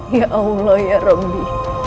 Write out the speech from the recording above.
ya allah ya rabbi